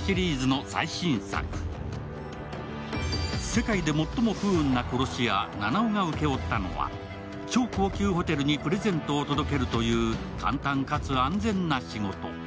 世界で最も不運な殺し屋、七尾が請け負ったのは超高級ホテルにプレゼントを届けるという簡単かつ安全な仕事。